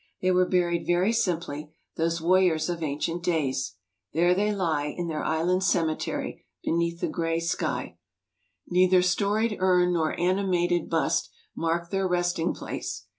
They were buried very simply, those warriors of ancient days. There they lie, in their island cemetery, beneath the gray sky. Neither "storied um nor animated bust" mark their resting place.